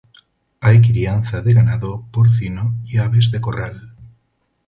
Hay crianza de ganado porcino y aves de corral.